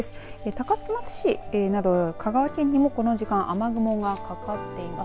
高松市など香川県にもこの時間雨雲がかかっています。